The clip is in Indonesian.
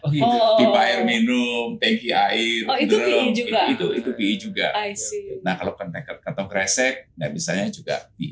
oh gitu pipa air minum tanki air oh itu pi juga itu pi juga i see nah kalau kentang keresek misalnya juga pi